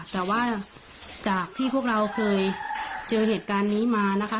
แต่ว่าจากที่พวกเราเคยเจอเหตุการณ์นี้มานะคะ